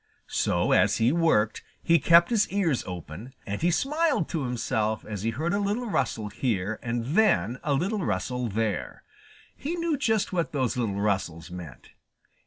So as he worked he kept his ears open, and he smiled to himself as he heard a little rustle here and then a little rustle there. He knew just what those little rustles meant.